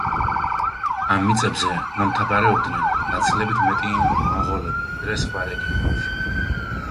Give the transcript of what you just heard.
ამ მიწებზე მომთაბარეობდნენ გაცილებით მეტი მონღოლები ვიდრე სხვა რეგიონებში.